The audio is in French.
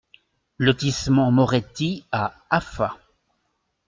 Lotissement Moretti à Afa